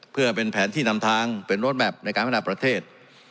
เพื่อเป็นแผนที่นำทางเป็นรถแมพในการพัฒนาประเทศ